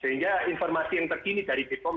sehingga informasi yang terkini dari bepom